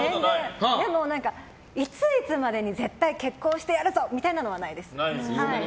でも、いついつまでに絶対結婚してやるぞみたいなのはないです。